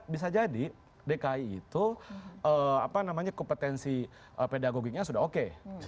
bisa jadi dki itu kompetensi pedagogingnya sudah oke